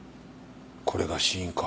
これが死因か。